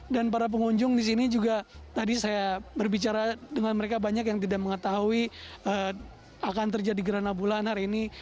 dan para pengunjung disini juga tadi saya berbicara dengan mereka banyak yang tidak mengetahui akan terjadi gerhana bulan hari ini